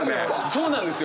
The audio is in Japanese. そうなんですよ！